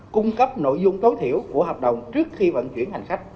cung cấp nội dung tối thiểu của hợp đồng trước khi vận chuyển hành khách